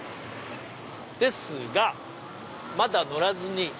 ですがまだ乗らずに。